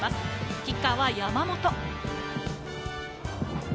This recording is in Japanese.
キッカーは山本。